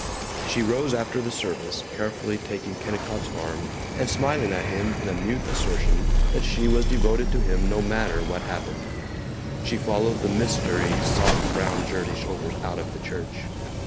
She rose after the service, carefully taking Kennicott's arm and smiling at him in a mute assertion that she was devoted to him no matter what happened. She followed the Mystery's soft brown jersey shoulders out of the church.